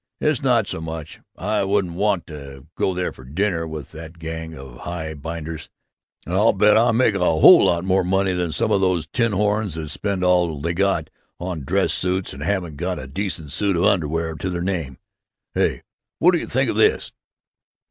It's not so much. I wouldn't want to go there to dinner with that gang of, of high binders. And I'll bet I make a whole lot more money than some of those tin horns that spend all they got on dress suits and haven't got a decent suit of underwear to their name! Hey! What do you think of this!"